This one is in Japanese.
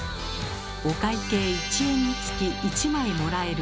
お会計１円につき１枚もらえる